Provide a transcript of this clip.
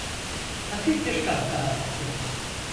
Hafif bir kahkaha attı.